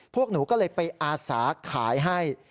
พวกหนูก็เลยไปอาสาขายให้